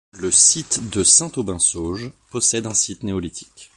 Le site de Saint-Aubin-Sauges possède un site néolithique.